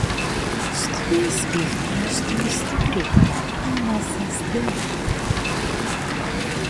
Што испивме, што истуривме, ама се здрвивме.